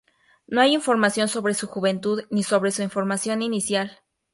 No hay información sobre su juventud ni sobre su formación inicial.